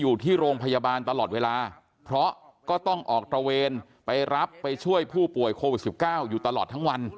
อยู่ที่โรงพยาบาลตลอดเวลาเพราะก็ต้องออกตระเวนไปรับไปช่วยผู้ป่วยโควิด๑๙อยู่ตลอดทั้งวัน